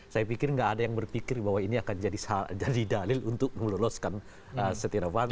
saya pikir tidak ada yang berpikir bahwa ini akan jadi dalil untuk meloloskan stianofanto